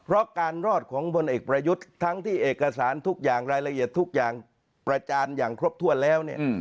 เพราะการรอดของพลเอกประยุทธ์ทั้งที่เอกสารทุกอย่างรายละเอียดทุกอย่างประจานอย่างครบถ้วนแล้วเนี่ย